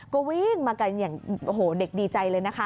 ก็วิ่งมากันอย่างโอ้โหเด็กดีใจเลยนะคะ